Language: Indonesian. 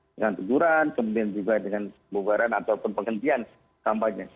dengan tukuran kemudian juga dengan bubaran ataupun penghentian kampanye